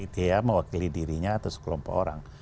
dia mewakili dirinya atau sekelompok orang